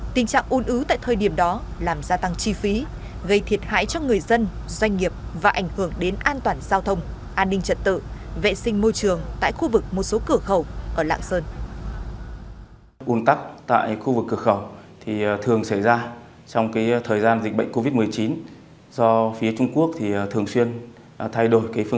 tình trạng ồn ứ tại thời điểm đó làm gia tăng chi phí gây thiệt hại cho người dân doanh nghiệp và ảnh hưởng đến an toàn giao thông an ninh trật tự vệ sinh môi trường tại khu vực một số cửa khẩu ở lạng sơn